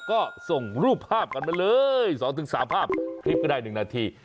ก็ส่งรูปภาพกันมาเลย๒๓ภาพคลิปก็ได้๑นาที